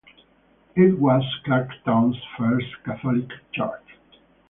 It was Clarkstown's first Catholic church.